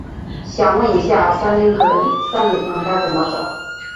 想问一下，三里屯该怎么走？